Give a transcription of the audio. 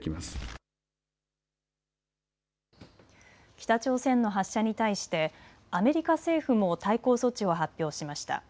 北朝鮮の発射に対してアメリカ政府も対抗措置を発表しました。